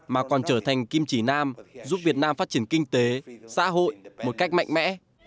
mà còn trở thành kim chỉ nam giúp việt nam phát triển kinh tế xã hội một cách mạnh mẽ